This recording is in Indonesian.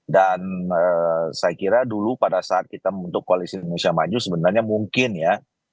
dan saya kira dulu pada saat kita membentuk koalisi indonesia maju sebenarnya mungkin ya